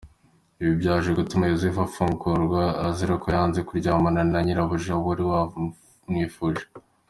Ibi byaje gutuma Yozefu afungwa azira ko yanze kuryamana na nyirabuja wari wamwifuje .